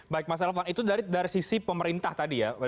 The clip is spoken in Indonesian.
baik mas elvan itu dari sisi pemerintah tadi ya